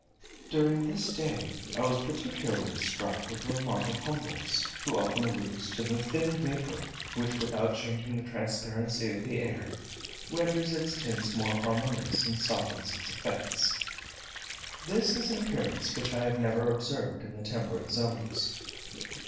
During this day I was particularly struck with a remark of Humboldt's, who often alludes to "the thin vapour which, without changing the transparency of the air, renders its tints more harmonious, and softens its effects." This is an appearance which I have never observed in the temperate zones.